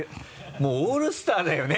もうオールスターだよね。